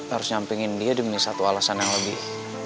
harus nyampingin dia demi satu alasan yang lebih